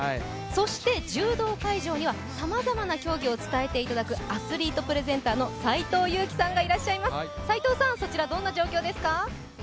そして柔道会場にはさまざま競技を伝えていただくアスリートプレゼンターの斎藤佑樹さんがいらっしゃいます。